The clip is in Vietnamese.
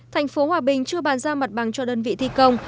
thành phố hòa bình chưa bàn giao mặt bằng cho đơn vị thi công